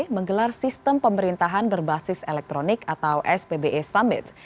menggelar sistem pemerintahan berbasis elektronik atau spbe summit